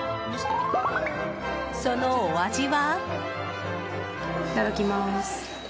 そのお味は？